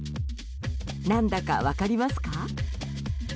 何だか分かりますか？